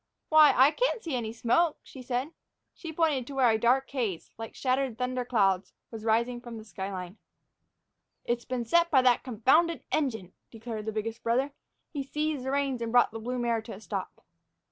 "Why, I can see smoke," she said. She pointed to where a dark haze, like shattered thunder clouds, was rising from the sky line. "It's been set by that confounded engine," declared the biggest brother. He seized the reins and brought the blue mare to a stop.